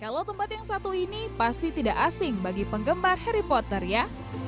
kalau tempat yang satu ini pasti tidak asing bagi penggemar harry potter ya